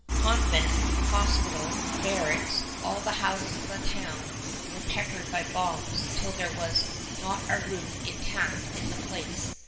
Convent, hospital, barracks, all the houses of the town, were peppered by bombs till there was not a roof intact in the place.